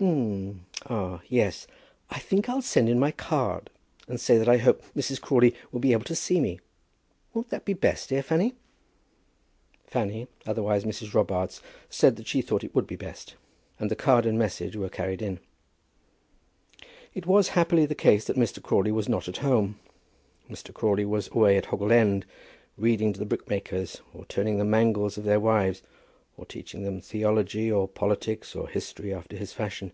"H m m, ha, yes; I think I'll send in my card; and say that I hope Mrs. Crawley will be able to see me. Won't that be best; eh, Fanny?" Fanny, otherwise Mrs. Robarts, said that she thought that would be best; and the card and message were carried in. It was happily the case that Mr. Crawley was not at home. Mr. Crawley was away at Hoggle End, reading to the brickmakers, or turning the mangles of their wives, or teaching them theology, or politics, or history, after his fashion.